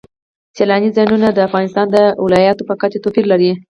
سیلانی ځایونه د افغانستان د ولایاتو په کچه توپیر لري.